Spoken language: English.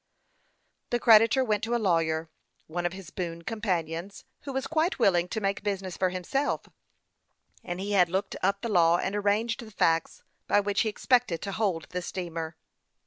The creditor went to a lawyer, one of his boon companions, who was quite willing to make business for himself; and he had looked up the law and arranged the facts, by which he expected to hold the steamer.